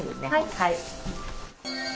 はい。